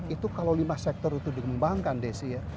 itu kalau lima sektor itu dikembangkan desi ya